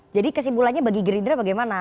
jadi kesimpulannya bagi gerindra bagaimana